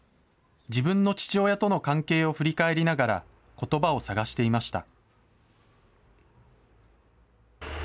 自分の父親との関係を振り返りながら、ことばを探していました。